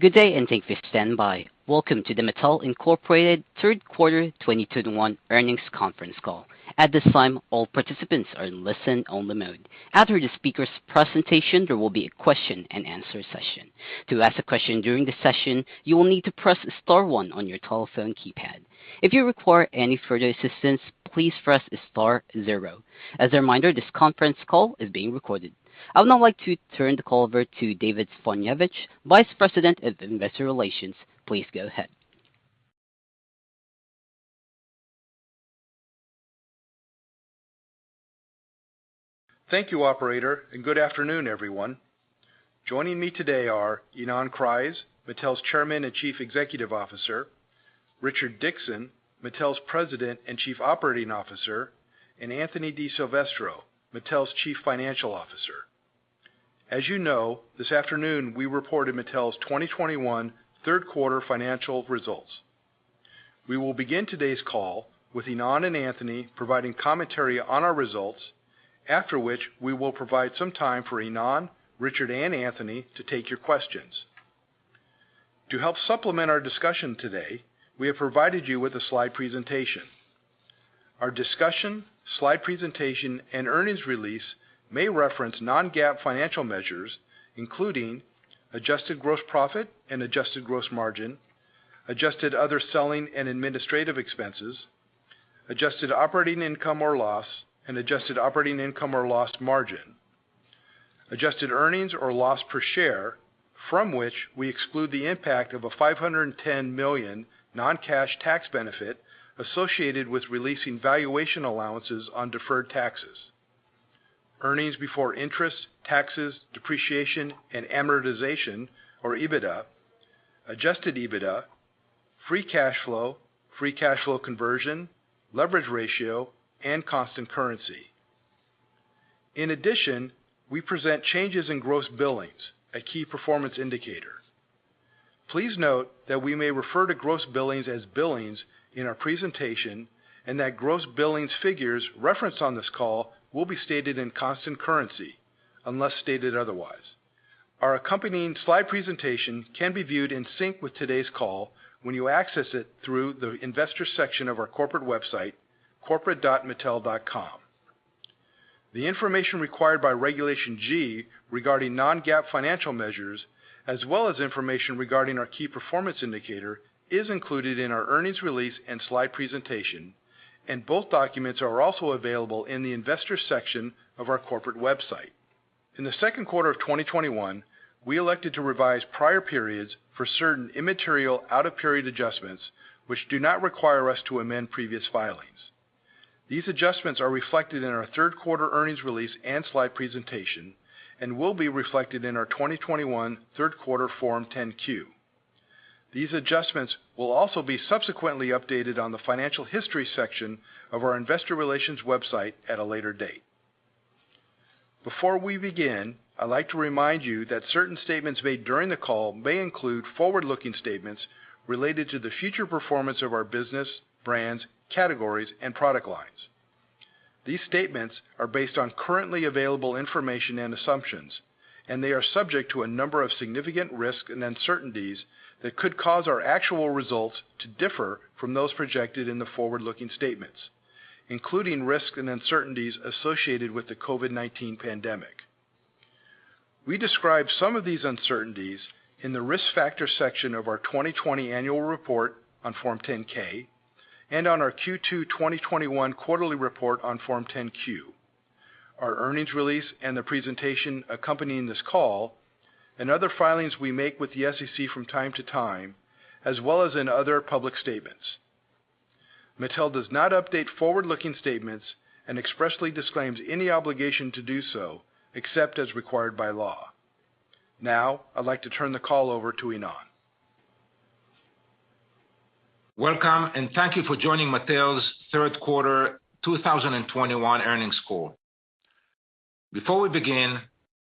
Good day, and thank you for standing by. Welcome to the Mattel, Inc., Third Quarter 2021 Earnings Conference Call. At this time, all participants are in listen only mode. After the speakers' presentation, there will be a question and answer session. To ask a question during the session, you will need to press star one on your telephone keypad. If you require any further assistance, please press star zero. As a reminder, this conference call is being recorded. I would now like to turn the call over to David Zbojniewicz, Vice President of Investor Relations. Please go ahead. Thank you, operator, and good afternoon, everyone. Joining me today are Ynon Kreiz, Mattel's Chairman and Chief Executive Officer, Richard Dickson, Mattel's President and Chief Operating Officer, and Anthony DiSilvestro, Mattel's Chief Financial Officer. As you know, this afternoon, we reported Mattel's 2021 third quarter financial results. We will begin today's call with Ynon and Anthony providing commentary on our results, after which we will provide some time for Ynon, Richard, and Anthony to take your questions. To help supplement our discussion today, we have provided you with a slide presentation. Our discussion, slide presentation, and earnings release may reference non-GAAP financial measures, including adjusted gross profit and adjusted gross margin, adjusted other selling and administrative expenses, adjusted operating income or loss and adjusted operating income or loss margin, adjusted earnings or loss per share, from which we exclude the impact of a $510 million non-cash tax benefit associated with releasing valuation allowances on deferred taxes, earnings before interest, taxes, depreciation, and amortization or EBITDA, adjusted EBITDA, free cash flow, free cash flow conversion, leverage ratio, and constant currency. In addition, we present changes in gross billings, a key performance indicator. Please note that we may refer to gross billings as billings in our presentation. That gross billings figures referenced on this call will be stated in constant currency unless stated otherwise. Our accompanying slide presentation can be viewed in sync with today's call when you access it through the investor section of our corporate website, corporate.mattel.com. The information required by Regulation G regarding non-GAAP financial measures, as well as information regarding our key performance indicator, is included in our earnings release and slide presentation, and both documents are also available in the investors section of our corporate website. In the second quarter of 2021, we elected to revise prior periods for certain immaterial out-of-period adjustments, which do not require us to amend previous filings. These adjustments are reflected in our third quarter earnings release and slide presentation and will be reflected in our 2021 third quarter Form 10-Q. These adjustments will also be subsequently updated on the financial history section of our investor relations website at a later date. Before we begin, I'd like to remind you that certain statements made during the call may include forward-looking statements related to the future performance of our business, brands, categories, and product lines. These statements are based on currently available information and assumptions, and they are subject to a number of significant risks and uncertainties that could cause our actual results to differ from those projected in the forward-looking statements, including risks and uncertainties associated with the COVID-19 pandemic. We describe some of these uncertainties in the risk factors section of our 2020 annual report on Form 10-K and on our Q2 2021 quarterly report on Form 10-Q, our earnings release and the presentation accompanying this call, and other filings we make with the SEC from time to time, as well as in other public statements. Mattel does not update forward-looking statements and expressly disclaims any obligation to do so, except as required by law. Now, I'd like to turn the call over to Ynon. Welcome, and thank you for joining Mattel's third quarter 2021 earnings call. Before we begin,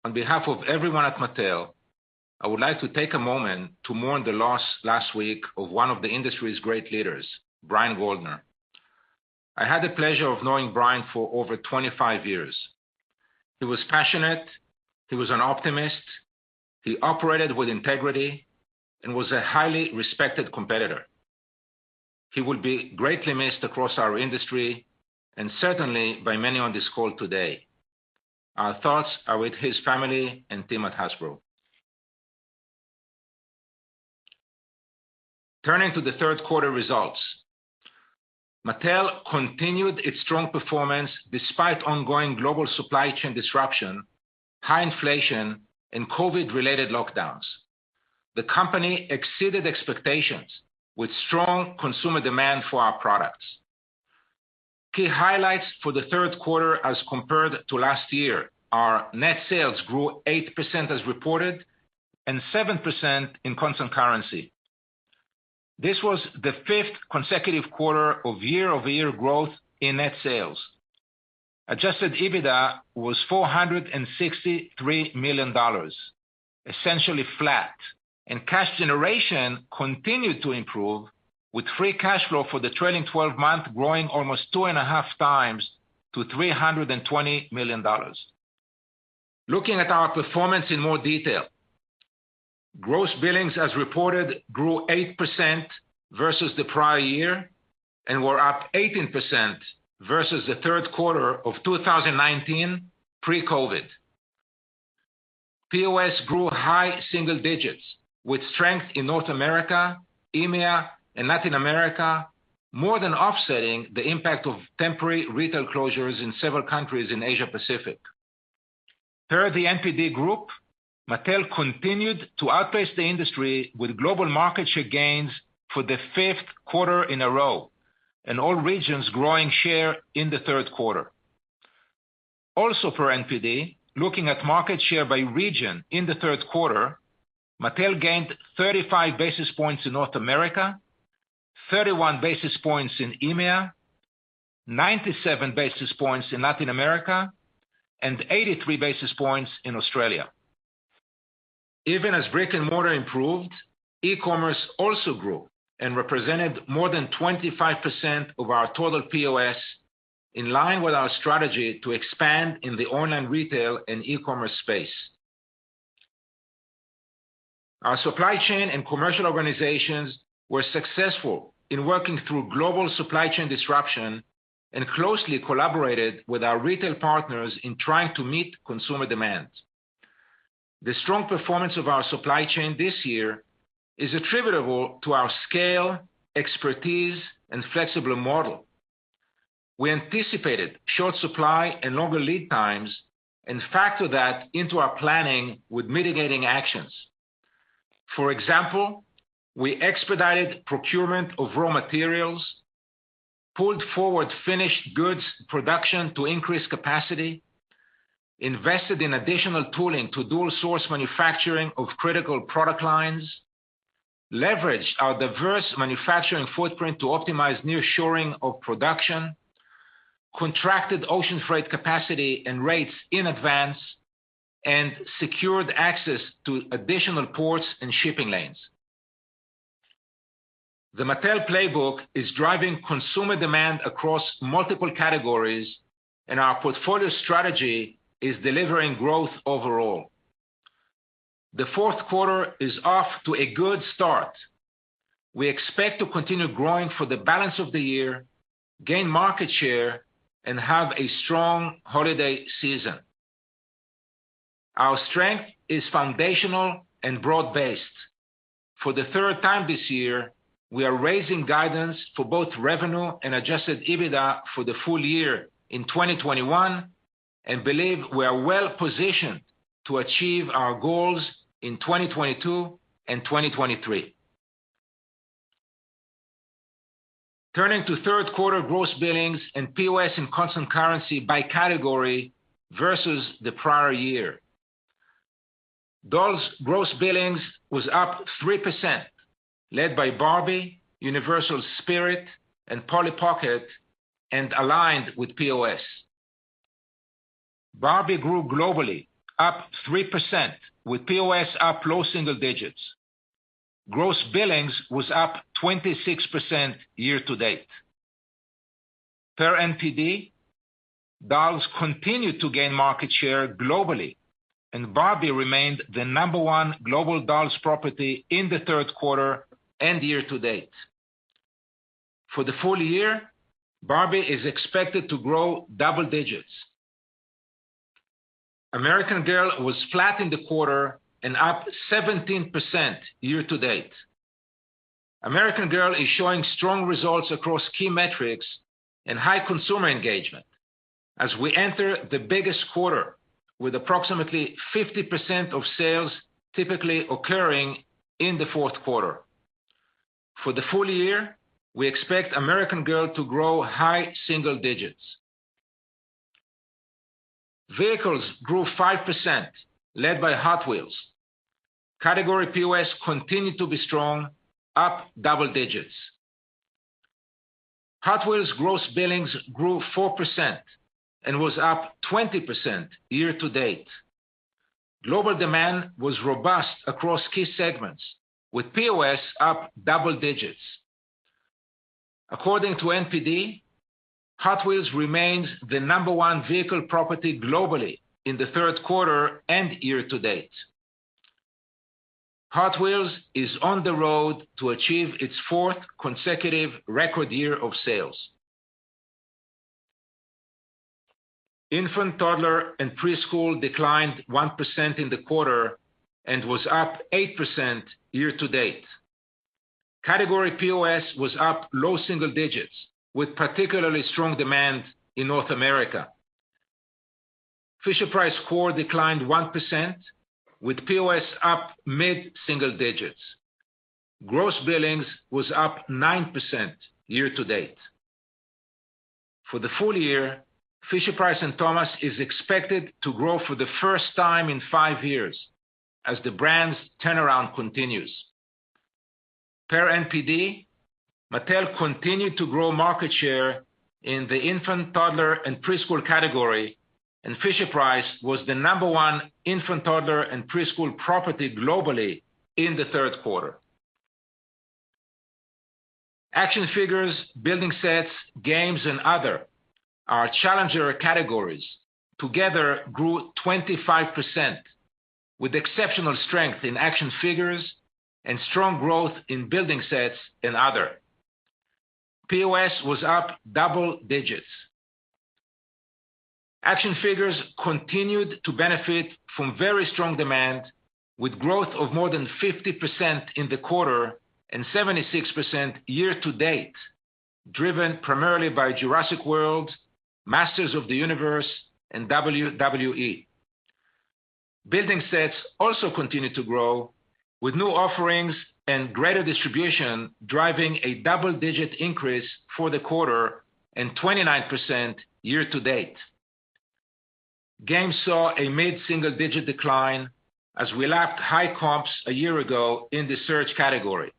on behalf of everyone at Mattel, I would like to take a moment to mourn the loss last week of one of the industry's great leaders, Brian Goldner. I had the pleasure of knowing Brian for over 25 years. He was passionate. He was an optimist. He operated with integrity and was a highly respected competitor. He will be greatly missed across our industry and certainly by many on this call today. Our thoughts are with his family and team at Hasbro. Turning to the third quarter results. Mattel continued its strong performance despite ongoing global supply chain disruption, high inflation, and COVID-related lockdowns. The company exceeded expectations with strong consumer demand for our products. Key highlights for the third quarter as compared to last year are net sales grew 8% as reported and 7% in constant currency. This was the fifth consecutive quarter of year-over-year growth in net sales. Adjusted EBITDA was $463 million, essentially flat, and cash generation continued to improve with free cash flow for the trailing 12 months growing almost 2.5x to $320 million. Looking at our performance in more detail. Gross billings as reported grew 8% versus the prior year and were up 18% versus the third quarter of 2019 pre-COVID. POS grew high single digits with strength in North America, EMEA, and Latin America, more than offsetting the impact of temporary retail closures in several countries in Asia Pacific. Per The NPD Group, Mattel continued to outpace the industry with global market share gains for the fifth quarter in a row, and all regions growing share in the third quarter. Looking at market share by region in the third quarter, Mattel gained 35 basis points in North America, 31 basis points in EMEA, 97 basis points in Latin America, and 83 basis points in Australia. Even as brick and mortar improved, e-commerce also grew and represented more than 25% of our total POS, in line with our strategy to expand in the online retail and e-commerce space. Our supply chain and commercial organizations were successful in working through global supply chain disruption and closely collaborated with our retail partners in trying to meet consumer demands. The strong performance of our supply chain this year is attributable to our scale, expertise, and flexible model. We anticipated short supply and longer lead times and factored that into our planning with mitigating actions. For example, we expedited procurement of raw materials, pulled forward finished goods production to increase capacity, invested in additional tooling to dual source manufacturing of critical product lines, leveraged our diverse manufacturing footprint to optimize near shoring of production, contracted ocean freight capacity and rates in advance, and secured access to additional ports and shipping lanes. The Mattel playbook is driving consumer demand across multiple categories, and our portfolio strategy is delivering growth overall. The fourth quarter is off to a good start. We expect to continue growing for the balance of the year, gain market share, and have a strong holiday season. Our strength is foundational and broad-based. For the third time this year, we are raising guidance for both revenue and adjusted EBITDA for the full year in 2021 and believe we are well positioned to achieve our goals in 2022 and 2023. Turning to third quarter gross billings and POS in constant currency by category versus the prior year. Dolls gross billings was up 3%, led by Barbie, Universal Spirit, and Polly Pocket, and aligned with POS. Barbie grew globally, up 3%, with POS up low single digits. Gross billings was up 26% year to date. Per NPD, dolls continued to gain market share globally, and Barbie remained the number one global dolls property in the third quarter and year to date. For the full year, Barbie is expected to grow double digits. American Girl was flat in the quarter and up 17% year to date. American Girl is showing strong results across key metrics and high consumer engagement as we enter the biggest quarter, with approximately 50% of sales typically occurring in the fourth quarter. For the full year, we expect American Girl to grow high single digits. Vehicles grew 5%, led by Hot Wheels. Category POS continued to be strong, up double digits. Hot Wheels gross billings grew 4% and was up 20% year to date. Global demand was robust across key segments, with POS up double digits. According to NPD, Hot Wheels remains the number one vehicle property globally in the third quarter and year to date. Hot Wheels is on the road to achieve its fourth consecutive record year of sales. Infant, toddler, and preschool declined 1% in the quarter and was up 8% year to date. Category POS was up low single digits, with particularly strong demand in North America. Fisher-Price core declined 1%, with POS up mid-single digits. Gross billings was up 9% year to date. For the full year, Fisher-Price and Thomas is expected to grow for the first time in five years as the brand's turnaround continues. Per NPD, Mattel continued to grow market share in the infant, toddler, and preschool category, and Fisher-Price was the number 1 infant, toddler, and preschool property globally in the third quarter. Action figures, building sets, games, and other, our challenger categories together grew 25%, with exceptional strength in action figures and strong growth in building sets and other. POS was up double digits. Action figures continued to benefit from very strong demand, with growth of more than 50% in the quarter and 76% year to date, driven primarily by Jurassic World, Masters of the Universe, and WWE. Building sets also continued to grow, with new offerings and greater distribution driving a double-digit increase for the quarter and 29% year to date. Games saw a mid-single digit decline as we lapped high comps a year ago in the surge category.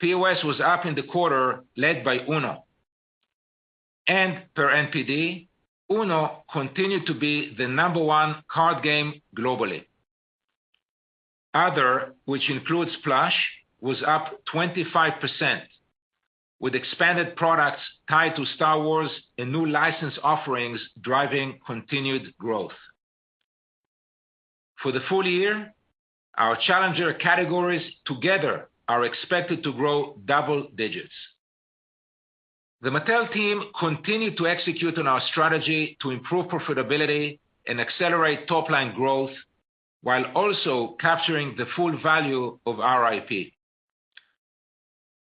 POS was up in the quarter, led by UNO. Per NPD, UNO continued to be the number one card game globally. Other, which includes Plush, was up 25%, with expanded products tied to Star Wars and new license offerings driving continued growth. For the full year, our challenger categories together are expected to grow double digits. The Mattel team continued to execute on our strategy to improve profitability and accelerate top-line growth while also capturing the full value of our IP.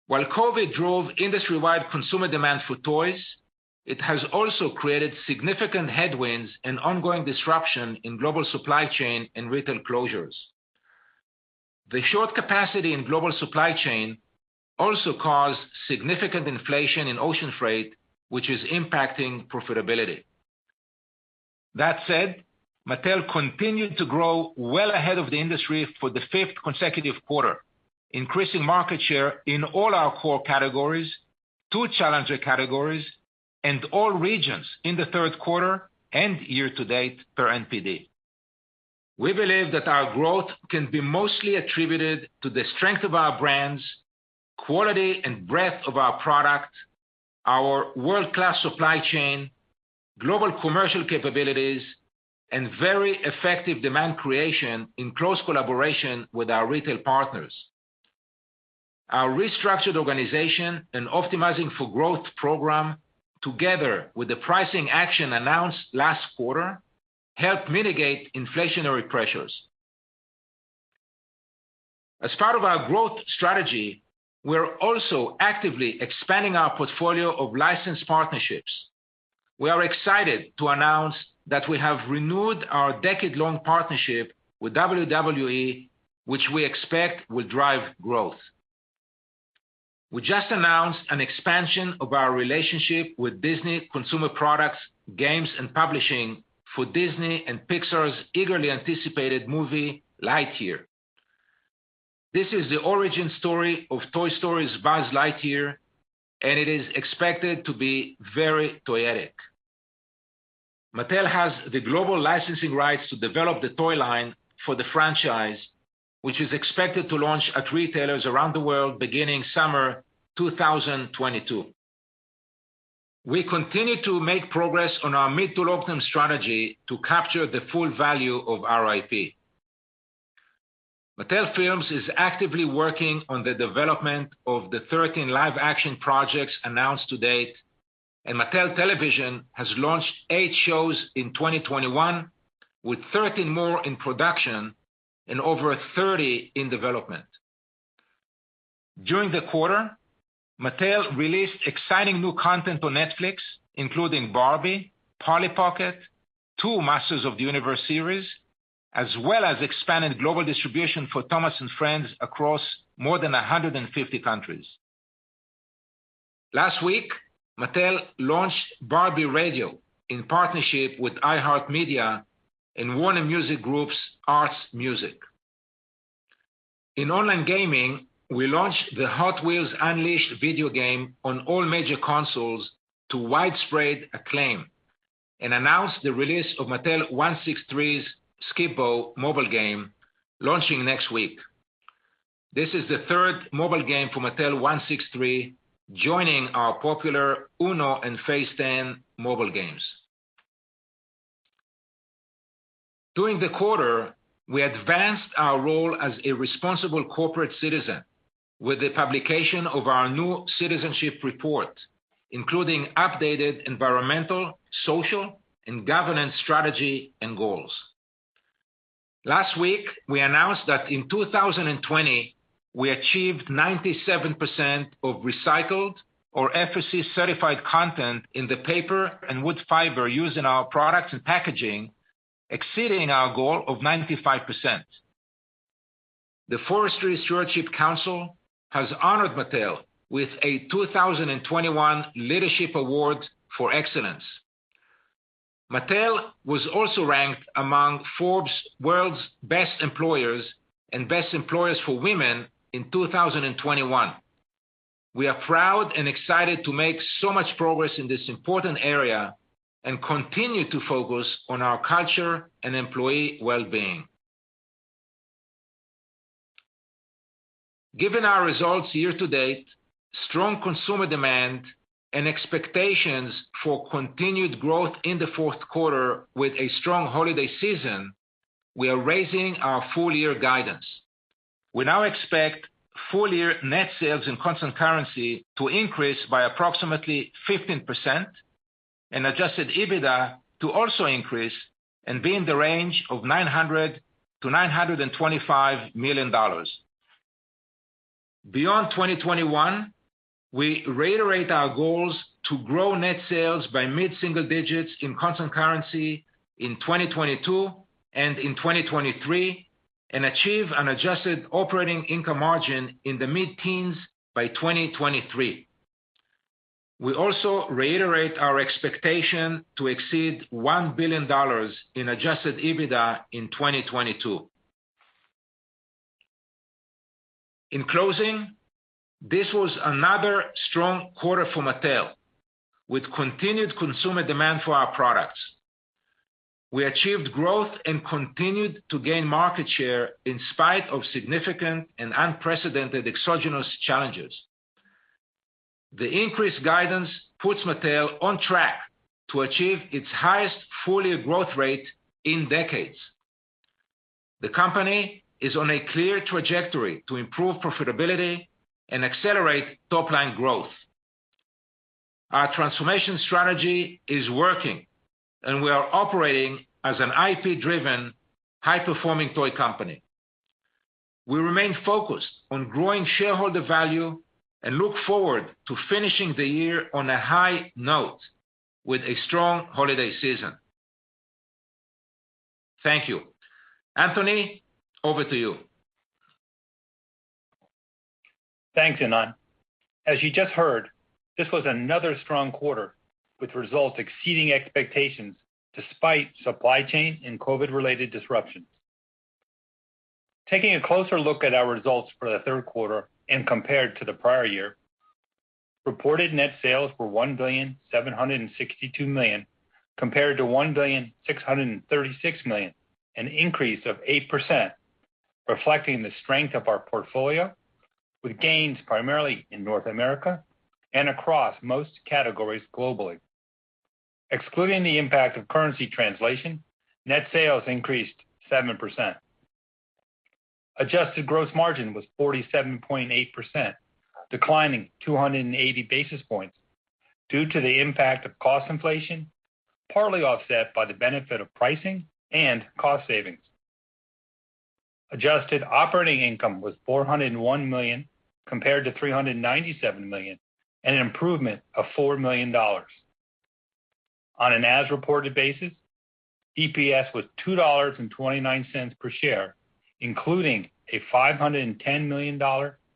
While COVID drove industry-wide consumer demand for toys, it has also created significant headwinds and ongoing disruption in global supply chain and retail closures. The short capacity in global supply chain also caused significant inflation in ocean freight, which is impacting profitability. That said, Mattel continued to grow well ahead of the industry for the fifth consecutive quarter, increasing market share in all our core categories, two challenger categories, and all regions in the third quarter and year to date per NPD. We believe that our growth can be mostly attributed to the strength of our brands, quality and breadth of our product, our world-class supply chain, global commercial capabilities, and very effective demand creation in close collaboration with our retail partners. Our restructured organization and Optimizing for Growth program, together with the pricing action announced last quarter, helped mitigate inflationary pressures. As part of our growth strategy, we're also actively expanding our portfolio of licensed partnerships. We are excited to announce that we have renewed our decade-long partnership with WWE, which we expect will drive growth. We just announced an expansion of our relationship with Disney Consumer Products, Games, and Publishing for Disney and Pixar's eagerly anticipated movie, "Lightyear." This is the origin story of Toy Story's Buzz Lightyear, and it is expected to be very toyetic. Mattel has the global licensing rights to develop the toy line for the franchise, which is expected to launch at retailers around the world beginning summer 2022. We continue to make progress on our mid to long-term strategy to capture the full value of our IP. Mattel Films is actively working on the development of the 13 live-action projects announced to date, and Mattel Television has launched eight shows in 2021, with 13 more in production and over 30 in development. During the quarter, Mattel released exciting new content on Netflix, including Barbie, Polly Pocket, two Masters of the Universe series, as well as expanded global distribution for Thomas & Friends across more than 150 countries. Last week, Mattel launched Barbie Radio in partnership with iHeartMedia and Warner Music Group's Arts Music. In online gaming, we launched the Hot Wheels Unleashed video game on all major consoles to widespread acclaim and announced the release of Mattel163's Skip-Bo mobile game launching next week. This is the third mobile game for Mattel163, joining our popular UNO and Phase 10 mobile games. During the quarter, we advanced our role as a responsible corporate citizen with the publication of our new citizenship report, including updated environmental, social, and governance strategy and goals. Last week, we announced that in 2020, we achieved 97% of recycled or FSC-certified content in the paper and wood fiber used in our products and packaging, exceeding our goal of 95%. The Forest Stewardship Council has honored Mattel with a 2021 Leadership Award for excellence. Mattel was also ranked among Forbes World's Best Employers and Best Employers for Women in 2021. We are proud and excited to make so much progress in this important area and continue to focus on our culture and employee well-being. Given our results year to date, strong consumer demand, and expectations for continued growth in the fourth quarter with a strong holiday season, we are raising our full year guidance. We now expect full year net sales in constant currency to increase by approximately 15% and adjusted EBITDA to also increase and be in the range of $900 million-$925 million. Beyond 2021, we reiterate our goals to grow net sales by mid-single digits in constant currency in 2022 and in 2023 and achieve an adjusted operating income margin in the mid-teens by 2023. We also reiterate our expectation to exceed $1 billion in adjusted EBITDA in 2022. In closing, this was another strong quarter for Mattel with continued consumer demand for our products. We achieved growth and continued to gain market share in spite of significant and unprecedented exogenous challenges. The increased guidance puts Mattel on track to achieve its highest full year growth rate in decades. The company is on a clear trajectory to improve profitability and accelerate top-line growth. Our transformation strategy is working, and we are operating as an IP-driven, high-performing toy company. We remain focused on growing shareholder value and look forward to finishing the year on a high note with a strong holiday season. Thank you. Anthony, over to you. Thanks, Ynon. As you just heard, this was another strong quarter with results exceeding expectations despite supply chain and COVID-related disruptions. Taking a closer look at our results for the third quarter and compared to the prior year, reported net sales were $1,762 million compared to $1,636 million, an increase of 8%, reflecting the strength of our portfolio with gains primarily in North America and across most categories globally. Excluding the impact of currency translation, net sales increased 7%. Adjusted gross margin was 47.8%, declining 280 basis points due to the impact of cost inflation, partly offset by the benefit of pricing and cost savings. Adjusted operating income was $401 million compared to $397 million, an improvement of $4 million. On an as reported basis, EPS was $2.29 per share, including a $510 million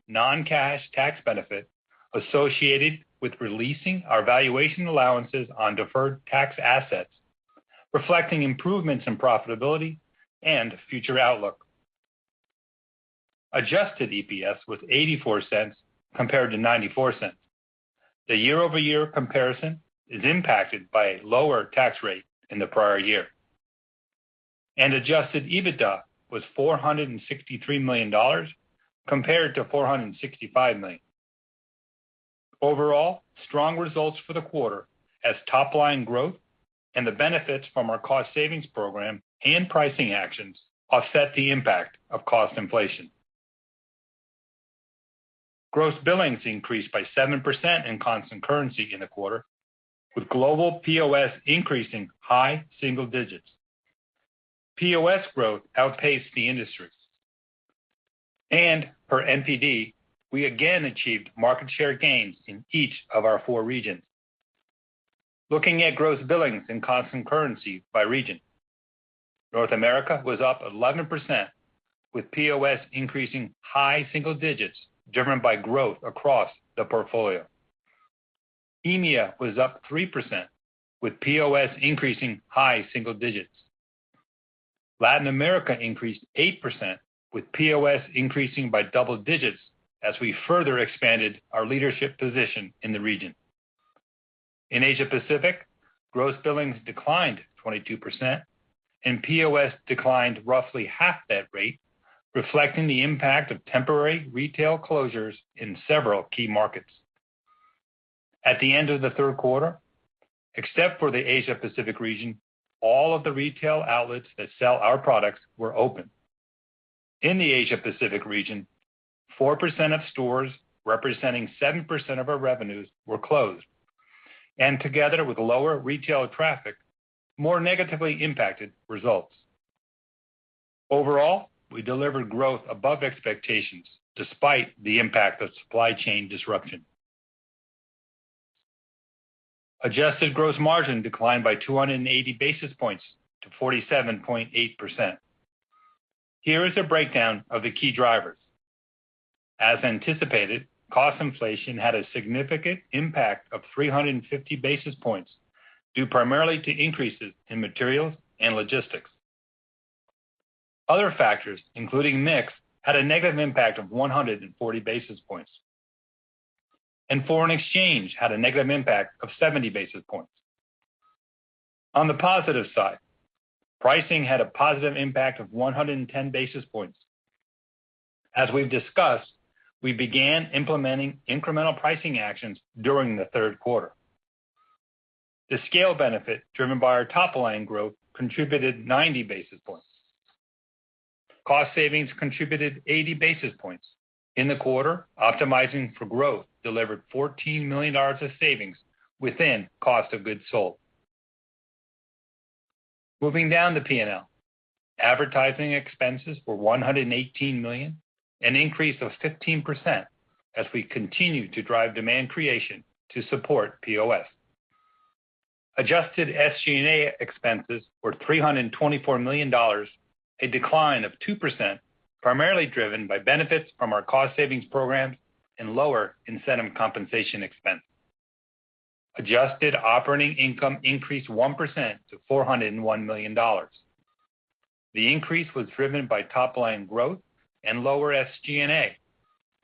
non-cash tax benefit associated with releasing our valuation allowances on deferred tax assets, reflecting improvements in profitability and future outlook. Adjusted EPS was $0.84 compared to $0.94. The year-over-year comparison is impacted by a lower tax rate in the prior year. Adjusted EBITDA was $463 million compared to $465 million. Overall, strong results for the quarter as top-line growth and the benefits from our cost savings program and pricing actions offset the impact of cost inflation. Gross billings increased by 7% in constant currency in the quarter, with global POS increasing high single digits. POS growth outpaced the industry's. Per NPD, we again achieved market share gains in each of our four regions. Looking at gross billings in constant currency by region, North America was up 11% with POS increasing high single digits, driven by growth across the portfolio. EMEA was up 3% with POS increasing high single digits. Latin America increased 8% with POS increasing by double digits as we further expanded our leadership position in the region. In Asia-Pacific, gross billings declined 22% and POS declined roughly half that rate, reflecting the impact of temporary retail closures in several key markets. At the end of the third quarter, except for the Asia-Pacific region, all of the retail outlets that sell our products were open. In the Asia-Pacific region, 4% of stores, representing 7% of our revenues, were closed, and together with lower retail traffic, more negatively impacted results. Overall, we delivered growth above expectations despite the impact of supply chain disruption. Adjusted gross margin declined by 280 basis points to 47.8%. Here is a breakdown of the key drivers. As anticipated, cost inflation had a significant impact of 350 basis points due primarily to increases in materials and logistics. Other factors, including mix, had a negative impact of 140 basis points. Foreign exchange had a negative impact of 70 basis points. On the positive side, pricing had a positive impact of 110 basis points. As we've discussed, we began implementing incremental pricing actions during the third quarter. The scale benefit driven by our top-line growth contributed 90 basis points. Cost savings contributed 80 basis points. In the quarter, Optimizing for Growth delivered $14 million of savings within cost of goods sold. Moving down to P&L. Advertising expenses were $118 million, an increase of 15% as we continue to drive demand creation to support POS. Adjusted SG&A expenses were $324 million, a decline of 2%, primarily driven by benefits from our cost savings programs and lower incentive compensation expense. Adjusted operating income increased 1% to $401 million. The increase was driven by top line growth and lower SG&A,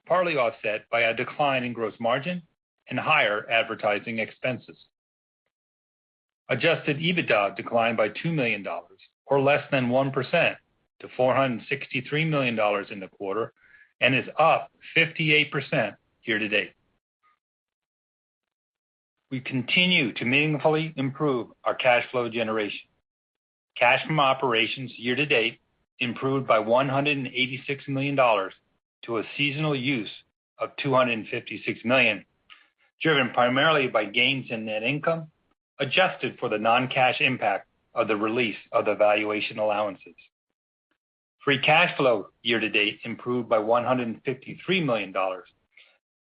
partly offset by a decline in gross margin and higher advertising expenses. Adjusted EBITDA declined by $2 million, or less than 1%, to $463 million in the quarter, and is up 58% year to date. We continue to meaningfully improve our cash flow generation. Cash from operations year to date improved by $186 million to a seasonal use of $256 million, driven primarily by gains in net income, adjusted for the non-cash impact of the release of the valuation allowances. Free cash flow year to date improved by $153 million,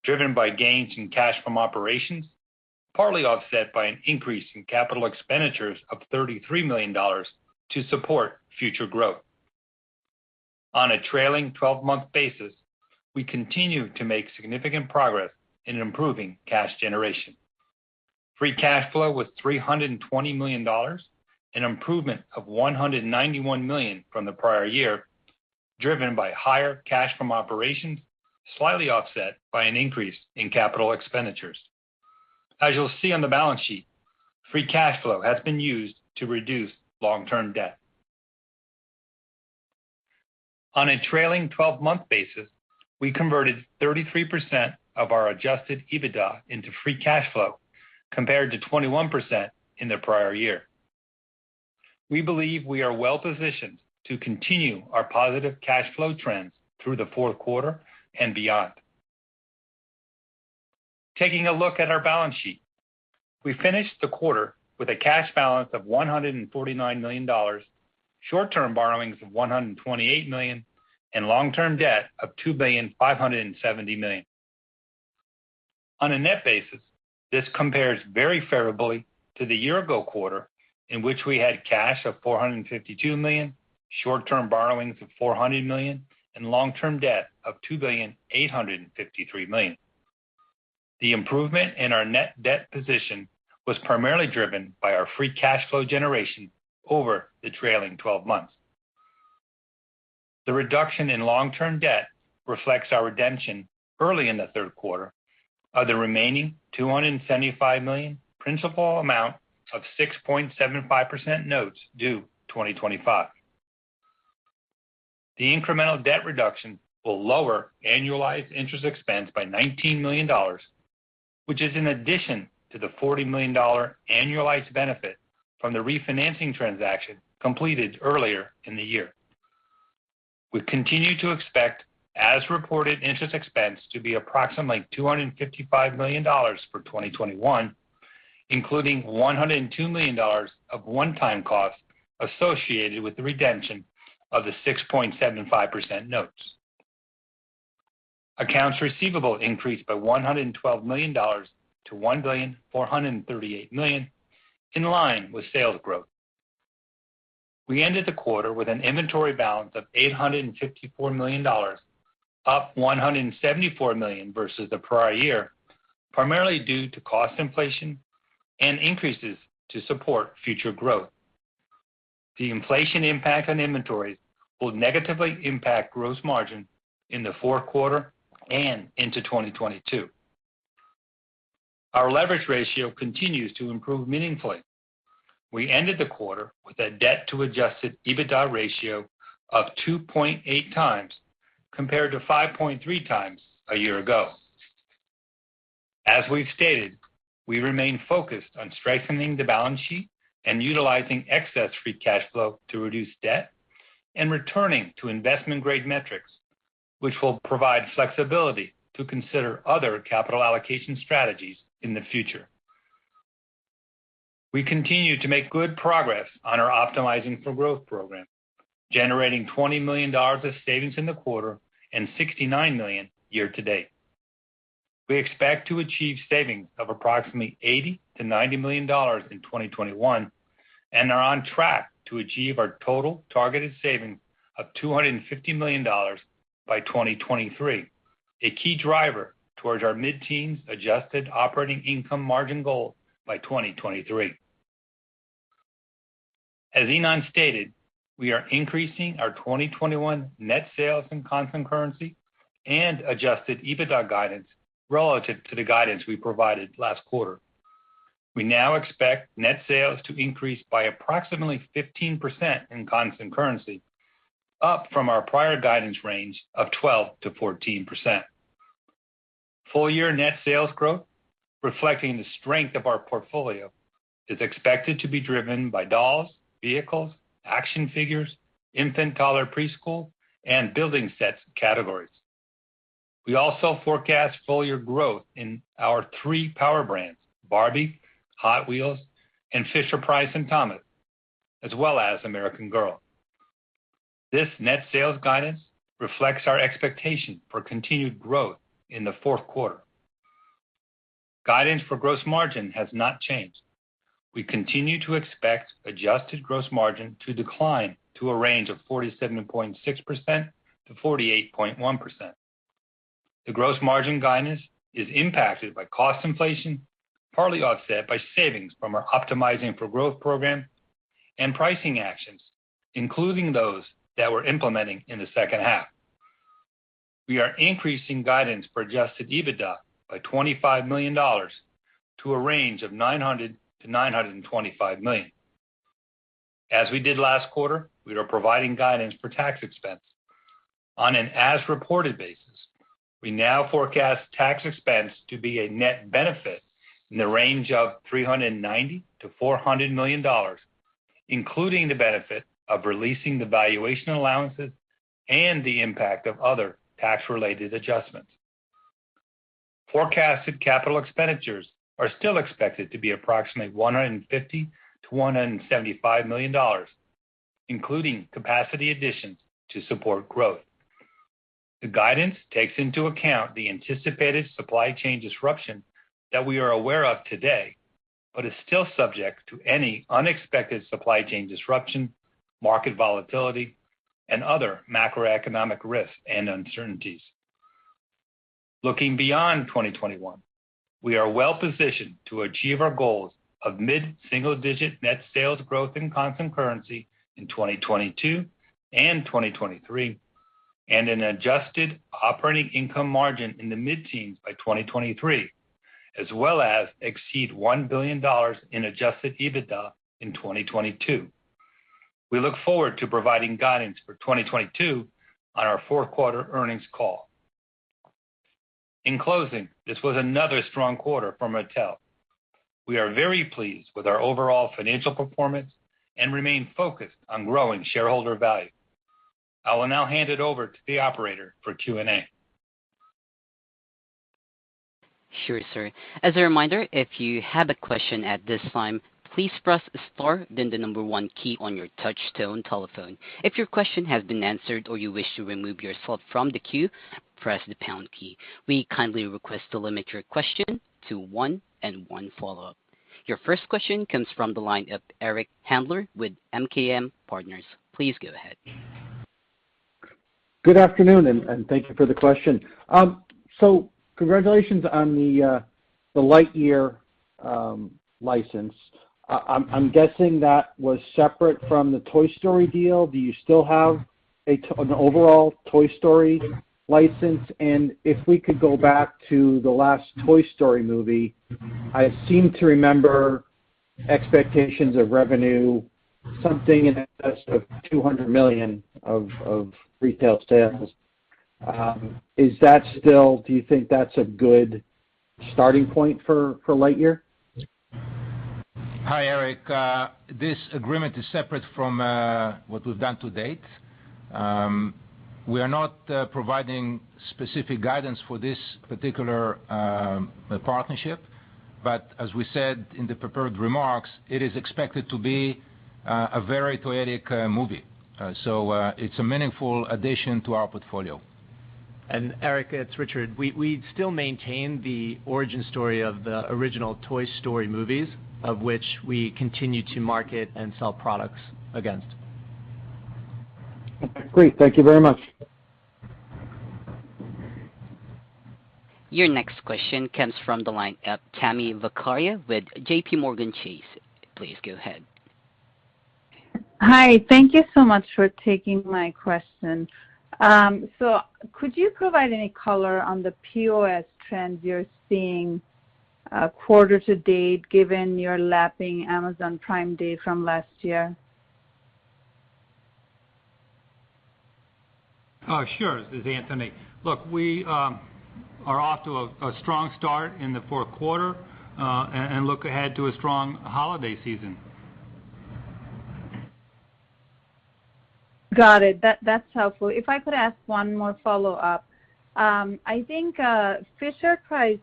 driven by gains in cash from operations, partly offset by an increase in capital expenditures of $33 million to support future growth. On a trailing 12-month basis, we continue to make significant progress in improving cash generation. Free cash flow was $320 million, an improvement of $191 million from the prior year, driven by higher cash from operations, slightly offset by an increase in capital expenditures. As you'll see on the balance sheet, free cash flow has been used to reduce long-term debt. On a trailing 12-month basis, we converted 33% of our adjusted EBITDA into free cash flow, compared to 21% in the prior year. We believe we are well positioned to continue our positive cash flow trends through the fourth quarter and beyond. Taking a look at our balance sheet, we finished the quarter with a cash balance of $149 million, short-term borrowings of $128 million, and long-term debt of $2,570 million. On a net basis, this compares very favorably to the year-ago quarter, in which we had cash of $452 million, short-term borrowings of $400 million, and long-term debt of $2,853 million. The improvement in our net debt position was primarily driven by our free cash flow generation over the trailing 12 months. The reduction in long-term debt reflects our redemption early in the third quarter of the remaining $275 million principal amount of 6.75% notes due 2025. The incremental debt reduction will lower annualized interest expense by $19 million, which is in addition to the $40 million annualized benefit from the refinancing transaction completed earlier in the year. We continue to expect as-reported interest expense to be approximately $255 million for 2021, including $102 million of one-time costs associated with the redemption of the 6.75% notes. Accounts receivable increased by $112 million to $1,438 million, in line with sales growth. We ended the quarter with an inventory balance of $854 million, up $174 million versus the prior year, primarily due to cost inflation and increases to support future growth. The inflation impact on inventories will negatively impact gross margin in the fourth quarter and into 2022. Our leverage ratio continues to improve meaningfully. We ended the quarter with a debt to adjusted EBITDA ratio of 2.8x, compared to 5.3x a year ago. As we've stated, we remain focused on strengthening the balance sheet and utilizing excess free cash flow to reduce debt and returning to investment-grade metrics, which will provide flexibility to consider other capital allocation strategies in the future. We continue to make good progress on our Optimizing for Growth program, generating $20 million of savings in the quarter and $69 million year to date. We expect to achieve savings of approximately $80 million-$90 million in 2021 and are on track to achieve our total targeted savings of $250 million by 2023, a key driver towards our mid-teens adjusted operating income margin goal by 2023. As Ynon stated, we are increasing our 2021 net sales in constant currency and adjusted EBITDA guidance relative to the guidance we provided last quarter. We now expect net sales to increase by approximately 15% in constant currency, up from our prior guidance range of 12%-14%. Full year net sales growth, reflecting the strength of our portfolio, is expected to be driven by dolls, vehicles, action figures, infant toddler preschool, and building sets categories. We also forecast full year growth in our three power brands, Barbie, Hot Wheels, and Fisher-Price and Thomas, as well as American Girl. This net sales guidance reflects our expectation for continued growth in the fourth quarter. Guidance for gross margin has not changed. We continue to expect adjusted gross margin to decline to a range of 47.6%-48.1%. The gross margin guidance is impacted by cost inflation, partly offset by savings from our Optimizing for Growth program and pricing actions, including those that we're implementing in the second half. We are increasing guidance for adjusted EBITDA by $25 million to a range of $900 million-$925 million. As we did last quarter, we are providing guidance for tax expense. On an as-reported basis, we now forecast tax expense to be a net benefit in the range of $390 million-$400 million, including the benefit of releasing the valuation allowances and the impact of other tax-related adjustments. Forecasted capital expenditures are still expected to be approximately $150 million-$175 million, including capacity additions to support growth. The guidance takes into account the anticipated supply chain disruption that we are aware of today, but is still subject to any unexpected supply chain disruption, market volatility, and other macroeconomic risks and uncertainties. Looking beyond 2021, we are well-positioned to achieve our goals of mid-single-digit net sales growth in constant currency in 2022 and 2023, and an adjusted operating income margin in the mid-teens by 2023, as well as exceed $1 billion in adjusted EBITDA in 2022. We look forward to providing guidance for 2022 on our fourth quarter earnings call. In closing, this was another strong quarter for Mattel. We are very pleased with our overall financial performance and remain focused on growing shareholder value. I will now hand it over to the operator for Q&A. Sure, sir. As a reminder, if you have a question at this time, please press star then the number one key on your touch-tone telephone. If your question has been answered or you wish to remove yourself from the queue, press a pound key. We kindly request to limit your question to one and one follow-up. Your first question comes from the line of Eric Handler with MKM Partners. Please go ahead. Good afternoon, and thank you for the question. Congratulations on the Lightyear license. I'm guessing that was separate from the Toy Story deal. Do you still have an overall Toy Story license? If we could go back to the last Toy Story movie, I seem to remember expectations of revenue something in excess of $200 million of retail sales. Do you think that's a good starting point for Lightyear? Hi, Eric. This agreement is separate from what we've done to date. We are not providing specific guidance for this particular partnership, but as we said in the prepared remarks, it is expected to be a very profitable movie. It's a meaningful addition to our portfolio. Eric, it's Richard. We still maintain the origin story of the original Toy Story movies, of which we continue to market and sell products against. Okay, great. Thank you very much. Your next question comes from the line of Tami Zakaria with JPMorgan Chase. Please go ahead. Hi. Thank you so much for taking my question. Could you provide any color on the POS trends you're seeing quarter to date, given you're lapping Amazon Prime Day from last year? Oh, sure. This is Anthony. Look, we are off to a strong start in the fourth quarter, and look ahead to a strong holiday season. Got it. That's helpful. If I could ask one more follow-up. I think Fisher-Price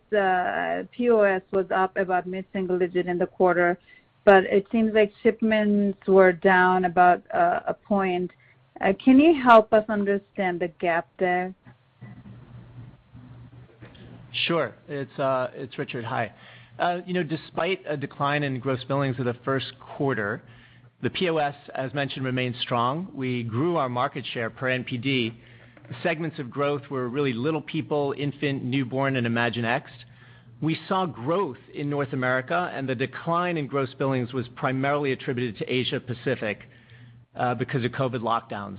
POS was up about mid-single digit in the quarter, but it seems like shipments were down about a point. Can you help us understand the gap there? Sure. It's Richard. Hi. Despite a decline in gross billings for the first quarter, the POS, as mentioned, remains strong. We grew our market share per NPD. Segments of growth were really Little People, Infant, Newborn, and Imaginext. We saw growth in North America, and the decline in gross billings was primarily attributed to Asia Pacific because of COVID lockdowns.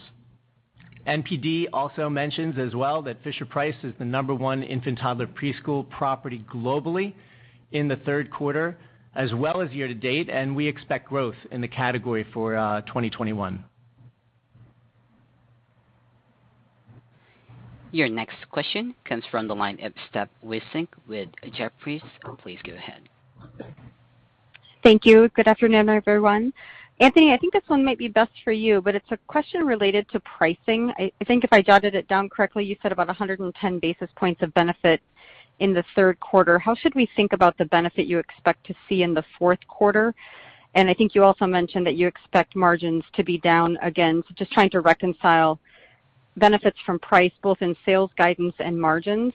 NPD also mentions as well that Fisher-Price is the number one infant-toddler preschool property globally in the third quarter, as well as year to date, and we expect growth in the category for 2021. Your next question comes from the line of Steph Wissink with Jefferies. Please go ahead. Thank you. Good afternoon, everyone. Anthony, I think this one might be best for you, but it's a question related to pricing. I think if I jotted it down correctly, you said about 110 basis points of benefit in the third quarter. How should we think about the benefit you expect to see in the fourth quarter? I think you also mentioned that you expect margins to be down again. Just trying to reconcile benefits from price, both in sales guidance and margins.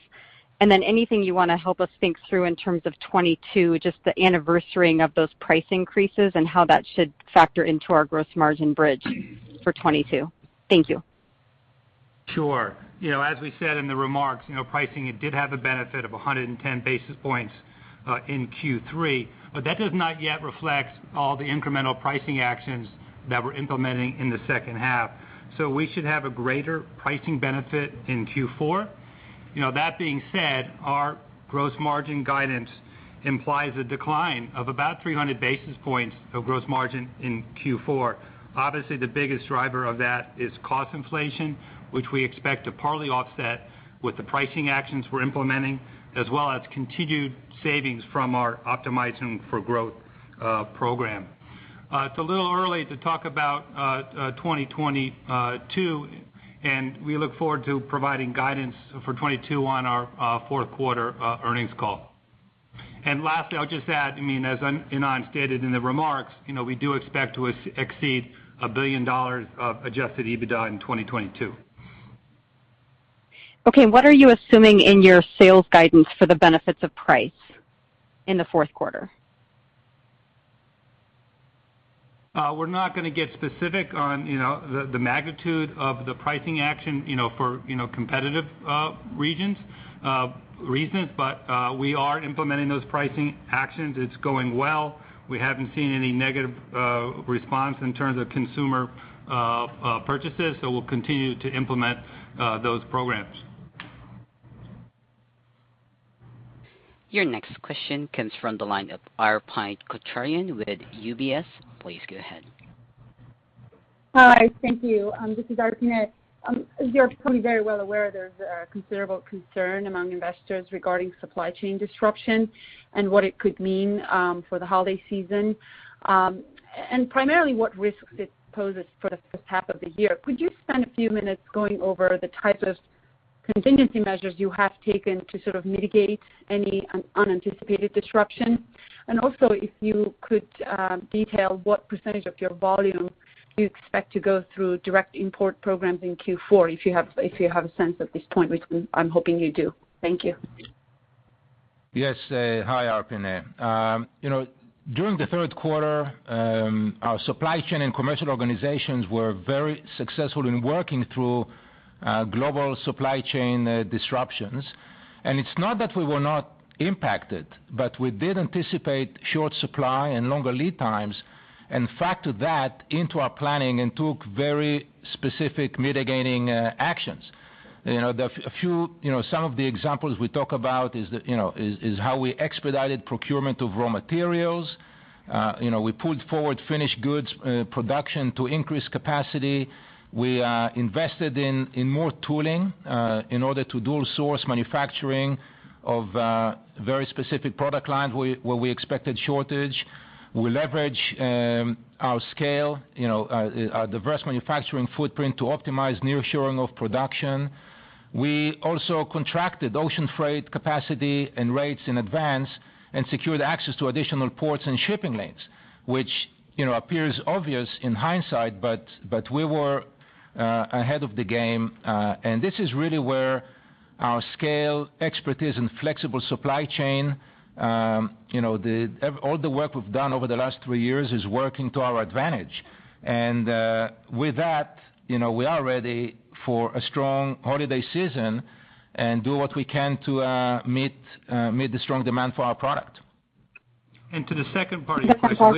Then anything you want to help us think through in terms of 2022, just the anniversarying of those price increases and how that should factor into our gross margin bridge for 2022. Thank you. Sure. As we said in the remarks, pricing did have a benefit of 110 basis points in Q3. That does not yet reflect all the incremental pricing actions that we're implementing in the second half. We should have a greater pricing benefit in Q4. That being said, our gross margin guidance implies a decline of about 300 basis points of gross margin in Q4. Obviously, the biggest driver of that is cost inflation, which we expect to partly offset with the pricing actions we're implementing, as well as continued savings from our Optimizing for Growth program. It's a little early to talk about 2022. We look forward to providing guidance for 2022 on our fourth quarter earnings call. Lastly, I'll just add, as Ynon stated in the remarks, we do expect to exceed $1 billion of adjusted EBITDA in 2022. Okay, what are you assuming in your sales guidance for the benefits of price in the fourth quarter? We're not going to get specific on the magnitude of the pricing action for competitive reasons. We are implementing those pricing actions. It's going well. We haven't seen any negative response in terms of consumer purchases. We'll continue to implement those programs. Your next question comes from the line of Arpine Kocharian with UBS. Please go ahead. Hi, thank you. This is Arpine. You're probably very well aware there's considerable concern among investors regarding supply chain disruption and what it could mean for the holiday season. Primarily what risks it poses for the second half of the year. Could you spend a few minutes going over the type of contingency measures you have taken to sort of mitigate any unanticipated disruption? Also, if you could detail what percentage of your volume do you expect to go through direct import programs in Q4, if you have a sense at this point, which I'm hoping you do. Thank you. Yes. Hi, Arpine. During the third quarter, our supply chain and commercial organizations were very successful in working through global supply chain disruptions. It's not that we were not impacted, but we did anticipate short supply and longer lead times and factored that into our planning and took very specific mitigating actions. Some of the examples we talk about is how we expedited procurement of raw materials. We pulled forward finished goods production to increase capacity. We invested in more tooling in order to dual source manufacturing of very specific product lines where we expected shortage. We leverage our scale, our diverse manufacturing footprint to optimize near shoring of production. We also contracted ocean freight capacity and rates in advance and secured access to additional ports and shipping lanes, which appears obvious in hindsight, but we were ahead of the game. This is really where our scale, expertise, and flexible supply chain, all the work we've done over the last three years is working to our advantage. With that, we are ready for a strong holiday season and do what we can to meet the strong demand for our product. To the second part of your question.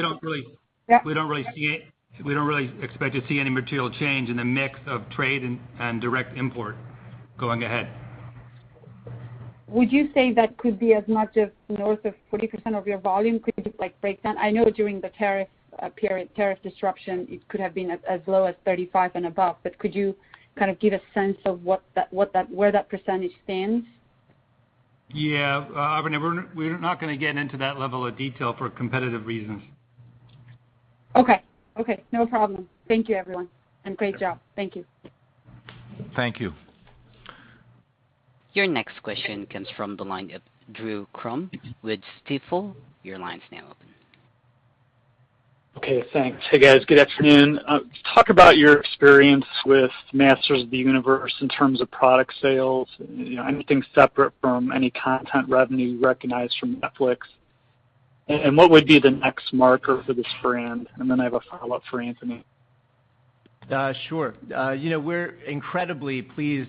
We don't really expect to see any material change in the mix of trade and direct import going ahead. Would you say that could be as much as north of 40% of your volume? Could you just break down? I know during the tariff disruption, it could have been as low as 35% and above, but could you kind of give a sense of where that percentage stands? Yeah. Arpine, we're not going to get into that level of detail for competitive reasons. Okay. No problem. Thank you, everyone, and great job. Thank you. Thank you. Your next question comes from the line of Drew Crum with Stifel. Your line is now open. Okay, thanks. Hey, guys. Good afternoon. Talk about your experience with Masters of the Universe in terms of product sales, anything separate from any content revenue recognized from Netflix. What would be the next marker for this brand? I have a follow-up for Anthony. Sure. We're incredibly please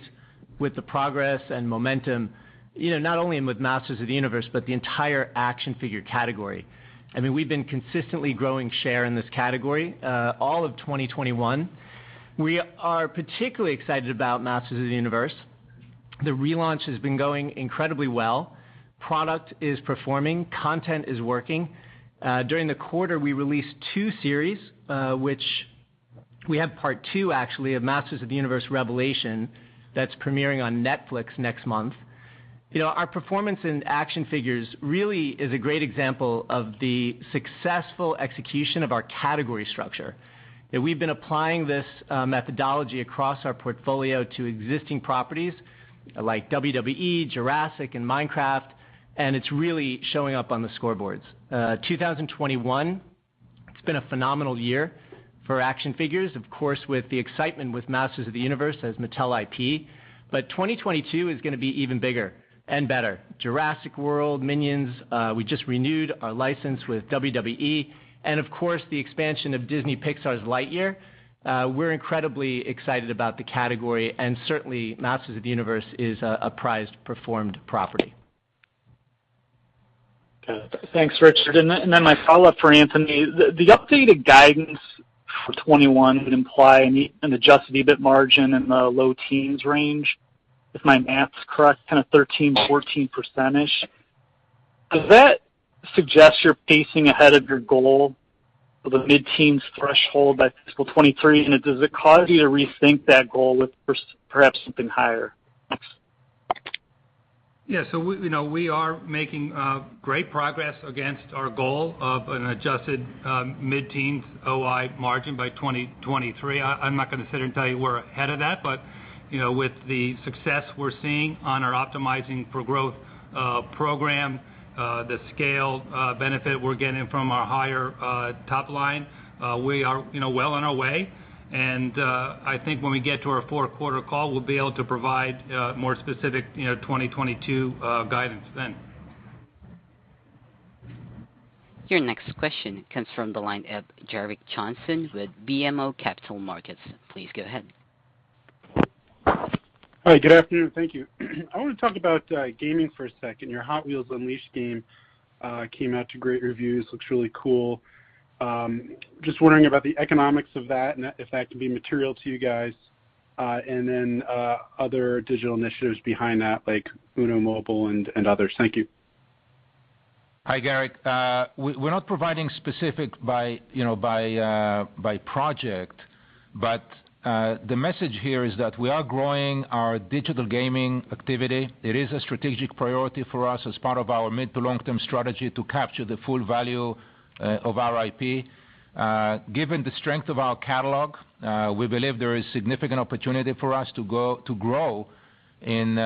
with the progress and momentum, not only with Masters of the Universe, but the entire action figure category. We've been consistently growing share in this category all of 2021. We are particularly excited about Masters of the Universe. The relaunch has been going incredibly well. Product is performing, content is working. During the quarter, we released two series, which we have part two, actually, of Masters of the Universe: Revelation, that's premiering on Netflix next month. Our performance in action figures really is a great example of the successful execution of our category structure. We've been applying this methodology across our portfolio to existing properties like WWE, Jurassic, and Minecraft, and it's really showing up on the scoreboards. 2021, it's been a phenomenal year for action figures, of course, with the excitement with Masters of the Universe as Mattel IP. 2022 is going to be even bigger and better. Jurassic World, Minions, we just renewed our license with WWE, and of course, the expansion of Disney Pixar's Lightyear. We're incredibly excited about the category, and certainly, Masters of the Universe is a prized performed property. Okay, thanks, Richard. My follow-up for Anthony. The updated guidance for 2021 would imply an adjusted EBIT margin in the low teens range. If my math is correct, 13%-14%. Does that suggest you're pacing ahead of your goal of the mid-teens threshold by fiscal 2023, and does it cause you to rethink that goal with perhaps something higher? We are making great progress against our goal of an adjusted mid-teens OI margin by 2023. I'm not going to sit here and tell you we're ahead of that, with the success we're seeing on our Optimizing for Growth program, the scale benefit we're getting from our higher top line, we are well on our way. I think when we get to our fourth quarter call, we'll be able to provide more specific 2022 guidance then. Your next question comes from the line of Gerrick Johnson with BMO Capital Markets. Please go ahead. Hi, good afternoon. Thank you. I want to talk about gaming for a second. Your Hot Wheels Unleashed game came out to great reviews, looks really cool. Just wondering about the economics of that, and if that could be material to you guys. Then other digital initiatives behind that, like UNO! Mobile and others. Thank you. Hi, Gerrick. We're not providing specific by project, but the message here is that we are growing our digital gaming activity. It is a strategic priority for us as part of our mid to long-term strategy to capture the full value of our IP. Given the strength of our catalog, we believe there is significant opportunity for us to grow in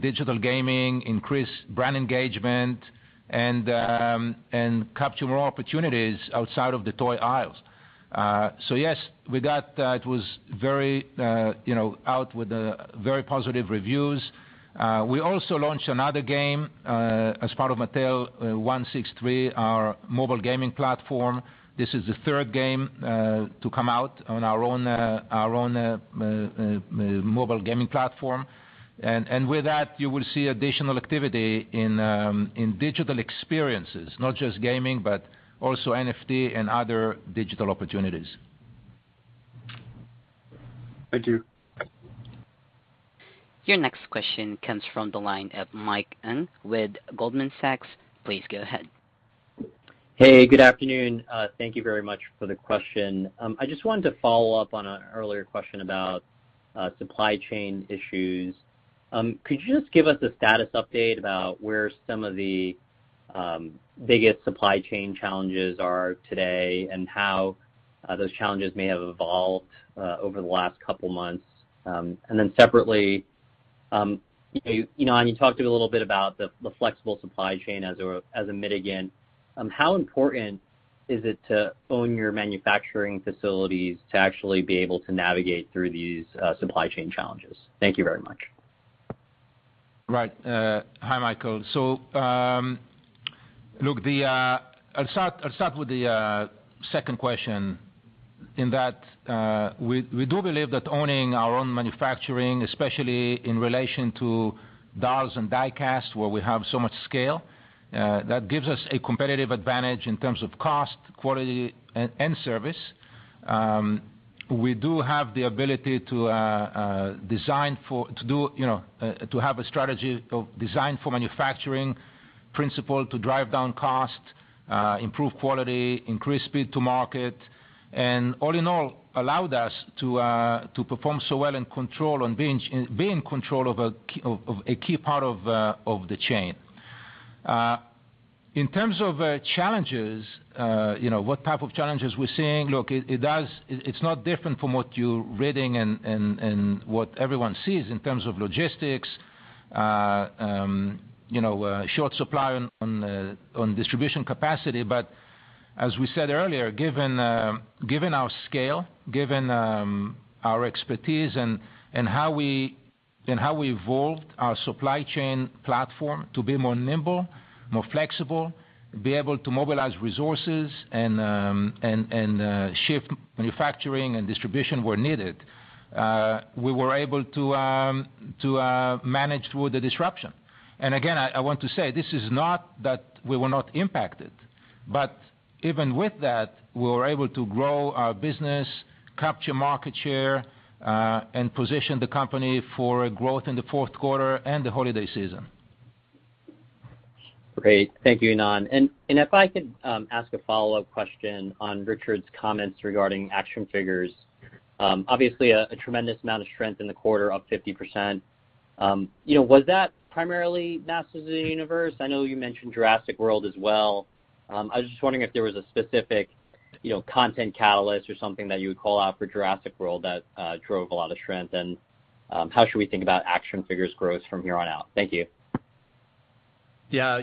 digital gaming, increase brand engagement, and capture more opportunities outside of the toy aisles. Yes, with that, it was out with very positive reviews. We also launched another game as part of Mattel163, our mobile gaming platform. This is the third game to come out on our own mobile gaming platform. With that, you will see additional activity in digital experiences. Not just gaming, but also NFT and other digital opportunities. Thank you. Your next question comes from the line of Mike Ng with Goldman Sachs. Please go ahead. Hey, good afternoon. Thank you very much for the question. I just wanted to follow up on an earlier question about supply chain issues. Could you just give us a status update about where some of the biggest supply chain challenges are today, and how those challenges may have evolved over the last couple of months? Separately, I know you talked a little bit about the flexible supply chain as a mitigate. How important is it to own your manufacturing facilities to actually be able to navigate through these supply chain challenges? Thank you very much. Right. Hi, Michael. Look, I'll start with the second question, in that we do believe that owning our own manufacturing, especially in relation to dolls and die-cast, where we have so much scale, that gives us a competitive advantage in terms of cost, quality, and service. We do have the ability to have a strategy of design for manufacturing principle to drive down cost, improve quality, increase speed to market. All in all, allowed us to perform so well and be in control of a key part of the chain. In terms of challenges, what type of challenges we're seeing? Look, it's not different from what you're reading and what everyone sees in terms of logistics, short supply on distribution capacity, but-- As we said earlier, given our scale, given our expertise and how we evolved our supply chain platform to be more nimble, more flexible, be able to mobilize resources and shift manufacturing and distribution where needed, we were able to manage through the disruption. Again, I want to say, this is not that we were not impacted, but even with that, we were able to grow our business, capture market share, and position the company for growth in the fourth quarter and the holiday season. Great. Thank you, Ynon. If I could ask a follow-up question on Richard's comments regarding action figures. Obviously, a tremendous amount of strength in the quarter, up 50%. Was that primarily Masters of the Universe? I know you mentioned Jurassic World as well. I was just wondering if there was a specific content catalyst or something that you would call out for Jurassic World that drove a lot of strength, and how should we think about action figures growth from here on out? Thank you. Yeah.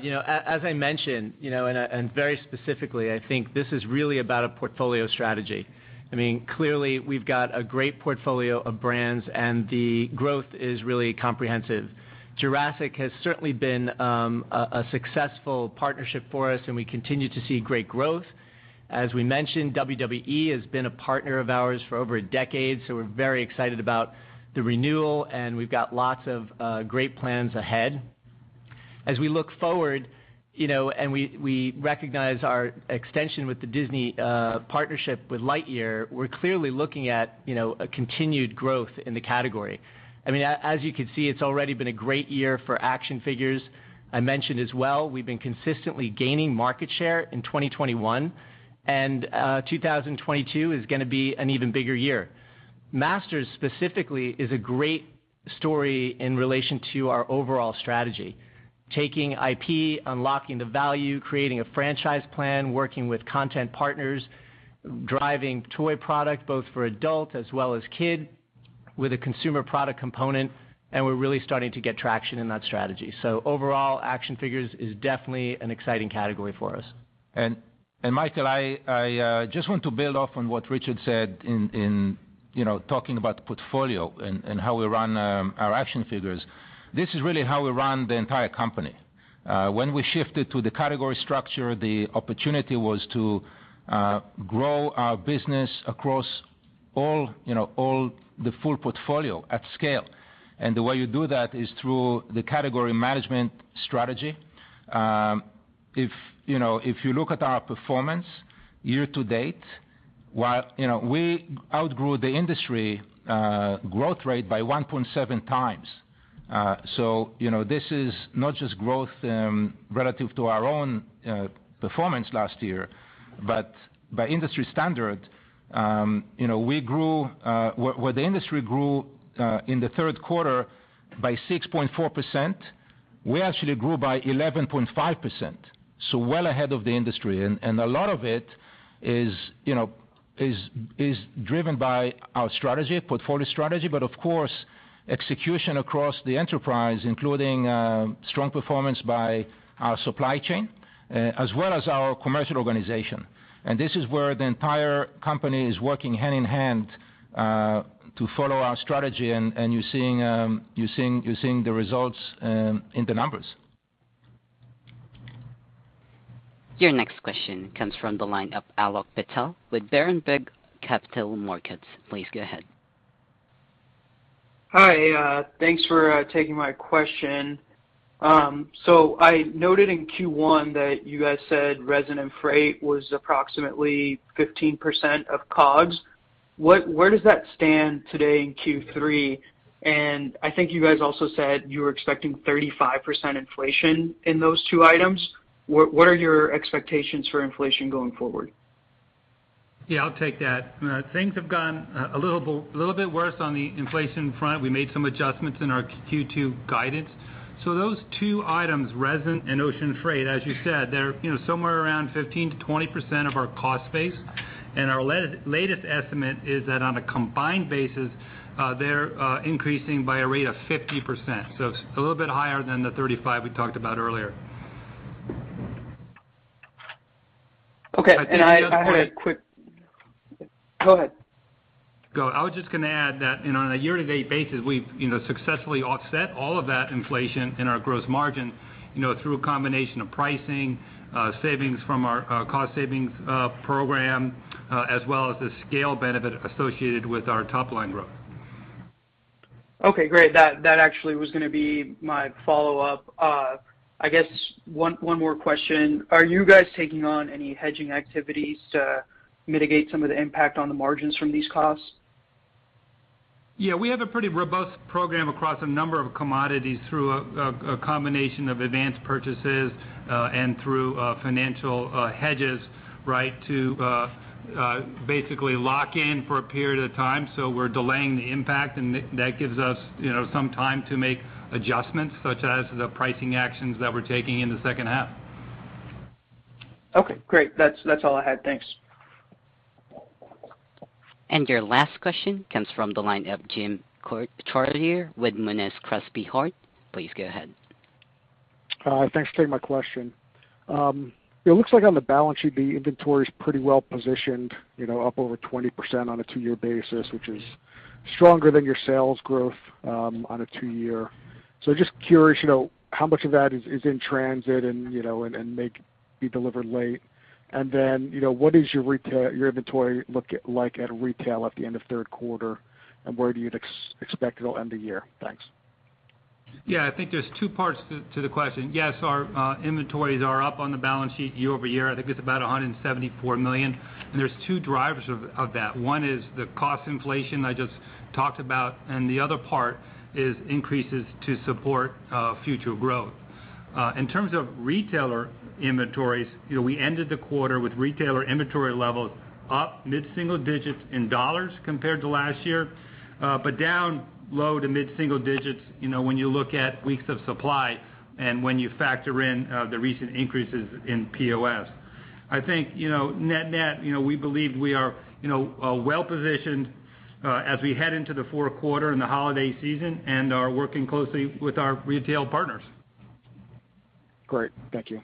As I mentioned, and very specifically, I think this is really about a portfolio strategy. Clearly, we've got a great portfolio of brands and the growth is really comprehensive. Jurassic has certainly been a successful partnership for us, and we continue to see great growth. As we mentioned, WWE has been a partner of ours for over a decade, so we're very excited about the renewal, and we've got lots of great plans ahead. As we look forward, and we recognize our extension with the Disney partnership with Lightyear, we're clearly looking at a continued growth in the category. As you can see, it's already been a great year for action figures. I mentioned as well, we've been consistently gaining market share in 2021, and 2022 is going to be an even bigger year. Masters, specifically, is a great story in relation to our overall strategy. Taking IP, unlocking the value, creating a franchise plan, working with content partners, driving toy product, both for adult as well as kid, with a consumer product component, and we're really starting to get traction in that strategy. Overall, action figures is definitely an exciting category for us. Michael, I just want to build off on what Richard said in talking about the portfolio and how we run our action figures. This is really how we run the entire company. When we shifted to the category structure, the opportunity was to grow our business across all the full portfolio at scale. The way you do that is through the category management strategy. If you look at our performance year to date, we outgrew the industry growth rate by 1.7x. This is not just growth relative to our own performance last year, but by industry standard where the industry grew in the third quarter by 6.4%, we actually grew by 11.5%, so well ahead of the industry. A lot of it is driven by our portfolio strategy, but of course, execution across the enterprise, including strong performance by our supply chain, as well as our commercial organization. This is where the entire company is working hand-in-hand to follow our strategy, and you're seeing the results in the numbers. Your next question comes from the line of Alok Patel with Berenberg Capital Markets. Please go ahead. Hi. Thanks for taking my question. I noted in Q1 that you guys said resin and ocean freight was approximately 15% of COGS. Where does that stand today in Q3? I think you guys also said you were expecting 35% inflation in those two items. What are your expectations for inflation going forward? Yeah, I'll take that. Things have gone a little bit worse on the inflation front. We made some adjustments in our Q2 guidance. Those two items, resin and ocean freight, as you said, they're somewhere around 15%-20% of our cost base. Our latest estimate is that on a combined basis, they're increasing by a rate of 50%. It's a little bit higher than the 35% we talked about earlier. Okay. Go ahead. I was just going to add that on a year-to-date basis, we've successfully offset all of that inflation in our gross margin through a combination of pricing, savings from our cost savings program, as well as the scale benefit associated with our top-line growth. Okay, great. That actually was going to be my follow-up. I guess one more question. Are you guys taking on any hedging activities to mitigate some of the impact on the margins from these costs? We have a pretty robust program across a number of commodities through a combination of advanced purchases and through financial hedges to basically lock in for a period of time. We're delaying the impact, and that gives us some time to make adjustments, such as the pricing actions that we're taking in the second half. Okay, great. That's all I had. Thanks. Your last question comes from the line of Jim Chartier with Monness, Crespi, Hardt. Please go ahead. Thanks for taking my question. It looks like on the balance sheet, the inventory is pretty well positioned, up over 20% on a two-year basis, which is stronger than your sales growth on a two-year. Just curious, how much of that is in transit and may be delivered late? What does your inventory look like at retail at the end of third quarter, and where do you expect it'll end the year? Thanks. Yeah. I think there's two parts to the question. Yes, our inventories are up on the balance sheet year-over-year. I think it's about $174 million, and there's two drivers of that. One is the cost inflation I just talked about, and the other part is increases to support future growth. In terms of retailer inventories, we ended the quarter with retailer inventory levels up mid-single digits in dollars compared to last year, but down low to mid-single digits, when you look at weeks of supply and when you factor in the recent increases in POS. I think, net net, we believe we are well-positioned as we head into the fourth quarter and the holiday season and are working closely with our retail partners. Great. Thank you.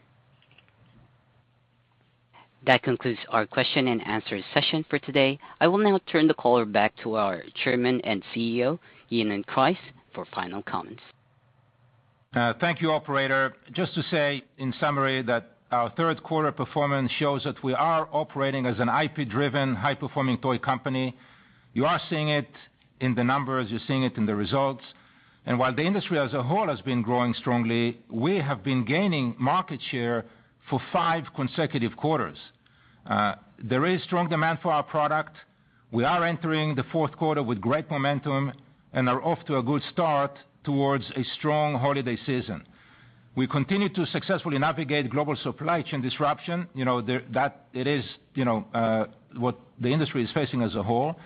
That concludes our question and answer session for today. I will now turn the caller back to our Chairman and CEO, Ynon Kreiz, for final comments. Thank you, operator. Just to say in summary that our third quarter performance shows that we are operating as an IP-driven, high-performing toy company. You are seeing it in the numbers, you're seeing it in the results. While the industry as a whole has been growing strongly, we have been gaining market share for five consecutive quarters. There is strong demand for our product. We are entering the fourth quarter with great momentum and are off to a good start towards a strong holiday season. We continue to successfully navigate global supply chain disruption. That is what the industry is facing as a whole.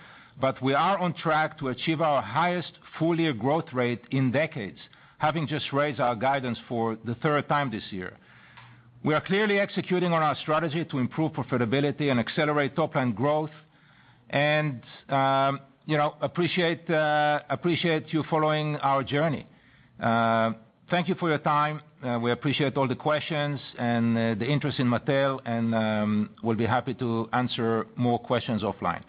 We are on track to achieve our highest full-year growth rate in decades, having just raised our guidance for the third time this year. We are clearly executing on our strategy to improve profitability and accelerate top-line growth. We appreciate you following our journey. Thank you for your time. We appreciate all the questions and the interest in Mattel, and we'll be happy to answer more questions offline.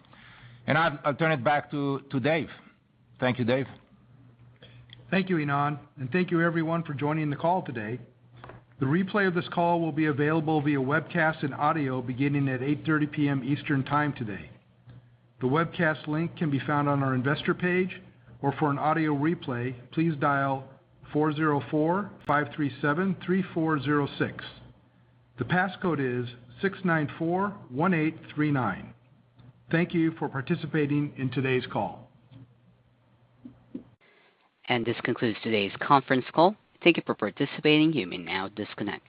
I'll turn it back to Dave. Thank you, Dave. Thank you, Ynon, and thank you everyone for joining the call today. The replay of this call will be available via webcast and audio beginning at 8:30 P.M. Eastern Time today. The webcast link can be found on our investor page, or for an audio replay, please dial 404-537-3406. The passcode is 6941839. Thank you for participating in today's call. This concludes today's conference call. Thank you for participating. You may now disconnect.